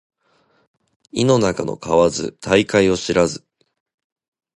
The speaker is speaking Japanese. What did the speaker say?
井の中の蛙大海を知らず